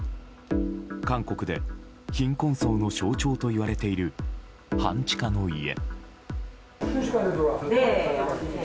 韓国で貧困層の象徴といわれている半地下の家。